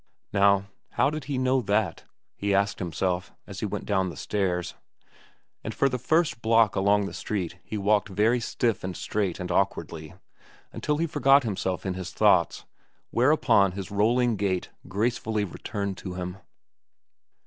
Now, how did he know that? he asked himself as he went down the stairs. And for the first block along the street he walked very stiff and straight and awkwardly, until he forgot himself in his thoughts, whereupon his rolling gait gracefully returned to him.